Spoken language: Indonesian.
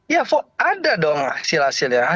ya ada dong hasil hasil ya